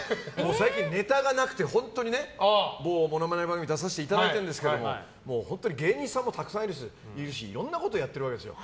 最近ネタがなくて本当にモノマネ番組出させてもらってるんですけど芸人さんもたくさんいるしいろんなことやってるわけですよ。